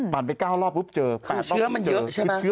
ปั่นไป๙รอบบนเจอคือเชื้อมันเยอะใช่มะ